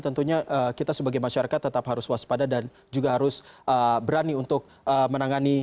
tentunya kita sebagai masyarakat tetap harus waspada dan juga harus berani untuk menangani